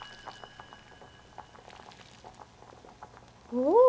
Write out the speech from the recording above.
おお！